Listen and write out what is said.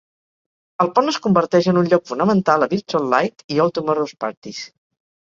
El pont es converteix en un lloc fonamental a "Virtual Light" i "All Tomorrow's Parties.